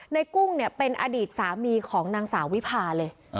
กุ้งเนี่ยเป็นอดีตสามีของนางสาววิพาเลย